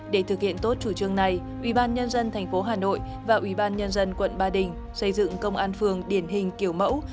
để thực hiện tốt chủ trương này ủy ban nhân dân tp hà nội và ủy ban nhân dân quận ba đình xây dựng công an phường điển hình kiểu mẫu